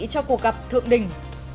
cho cuộc gặp thượng đình